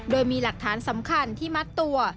โดยมีหลักฐานสำคัญที่มัดตัว